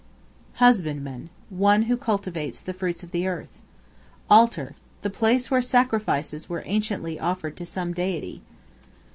Husbandman, one who cultivates the fruits of the earth. Altar, the place where sacrifices were anciently offered to some deity.